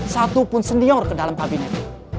satu pun senior ke dalam kabinet